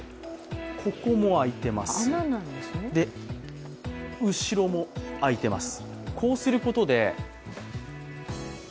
ここも開いています、後ろも開いています。